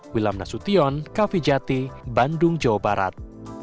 wilham nasution kv jati bandung jawa barat